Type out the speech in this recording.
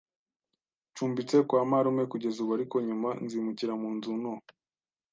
Ncumbitse kwa marume kugeza ubu, ariko nyuma nzimukira mu nzu nto